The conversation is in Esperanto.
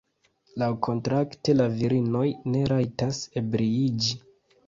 Laŭkontrakte la virinoj ne rajtas ebriiĝi.